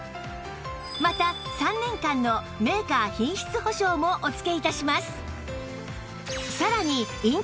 また３年間のメーカー品質保証もお付け致します